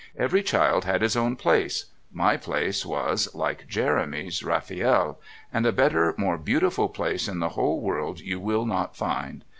Every child had his own place; my place was, like Jeremy's, Rafiel, and a better, more beautiful place, in the whole world you will not find.